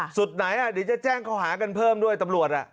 ไหนเดี๋ยวจะแจ้งเขาหากันเพิ่มด้วยตำรวจ